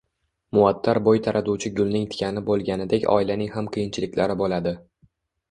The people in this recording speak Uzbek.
Muattar bo‘y taratuvchi gulning tikani bo‘lganidek oilaning ham qiyinchiliklari bo‘ladi.